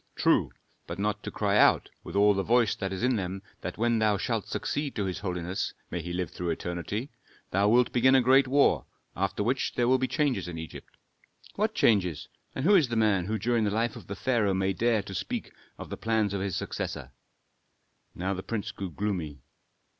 "True; but not to cry out, with all the voice that is in them, that when thou shalt succeed to his holiness may he live through eternity! thou wilt begin a great war, after which there will be changes in Egypt." "What changes? And who is the man who during the life of the pharaoh may dare to speak of the plans of his successor?" Now the prince grew gloomy.